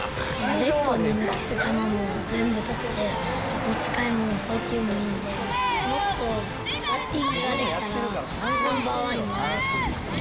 レフトに抜ける球も全部捕って、持ち替えも、送球もいいんで、もっとバッティングができたらナンバーワンになれます。